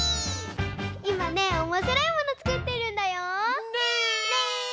いまねおもしろいものつくってるんだよ。ね！